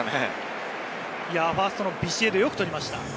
ファーストのビシエド、よく捕りました。